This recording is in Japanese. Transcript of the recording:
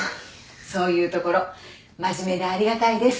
そういうところ真面目でありがたいです。